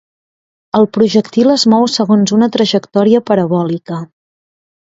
El projectil es mou segons una trajectòria parabòlica.